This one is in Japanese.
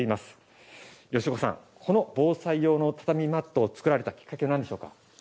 吉岡さんこの防災用の畳マットを作られたきっかけは何でしょうか？